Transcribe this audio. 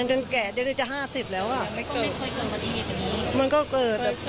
พูดสิทธิ์ข่าวธรรมดาทีวีรายงานสดจากโรงพยาบาลพระนครศรีอยุธยาครับ